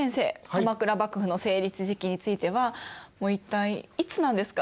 鎌倉幕府の成立時期についてはもう一体いつなんですか？